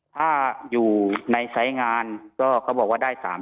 ถ้าอยู่ในสายงานก็เขาบอกว่าได้๓๐๐